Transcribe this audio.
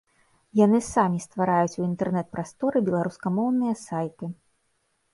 Яны самі ствараюць у інтэрнэт-прасторы беларускамоўныя сайты.